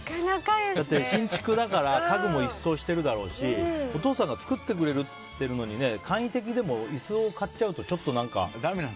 だって、新築だから家具も一掃してるだろうしお父さんが作ってくれるといってるのに簡易的でも椅子を買っちゃうと。